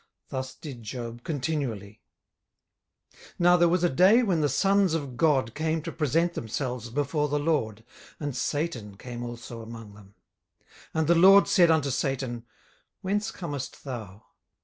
Thus did Job continually. 18:001:006 Now there was a day when the sons of God came to present themselves before the LORD, and Satan came also among them. 18:001:007 And the LORD said unto Satan, Whence comest thou?